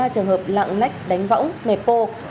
một mươi ba trường hợp lạng lách đánh võng mẹp cô